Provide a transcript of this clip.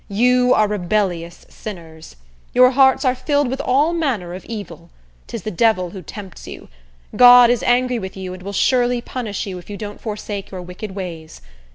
You are rebellious sinners. Your hearts are filled with all manner of evil. 'Tis the devil who tempts you. God is angry with you, and will surely punish you, if you don't forsake your wicked ways.